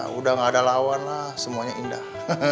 sudah tidak ada lawan lah semuanya indah